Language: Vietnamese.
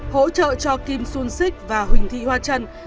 hỗ trợ cho kim xuân xích và huỳnh thị hoa trân